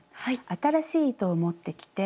新しい糸を持ってきて。